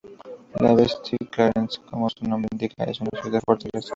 La Bastide-Clairence, como su nombre indica, es una ciudad-fortaleza.